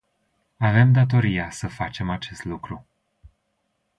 Avem datoria să facem acest lucru.